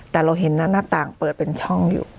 แต่เราเห็นหน้าต่างเปิดเป็นช่องอยู่